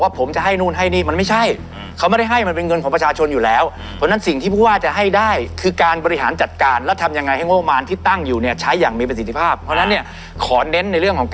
อาจจะต้องเอางานออกไปที่หาคนด้วยคือเมืองที่อยู่แถวฝั่งตรงนั้นออก